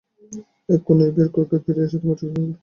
এক্ষুণি ঐ বিয়ের কেকে ফিরে এসে তোমার চুক্তি পুরণ করো!